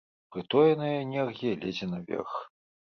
Прытоеная энергія лезе наверх.